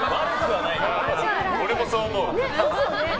俺もそう思う。